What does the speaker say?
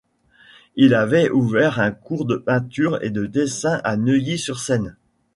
Il avait ouvert un cours de peinture et de dessin à Neuilly-sur-Seine.